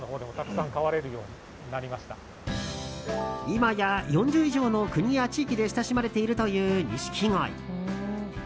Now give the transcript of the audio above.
今や４０以上の国や地域で親しまれているというニシキゴイ。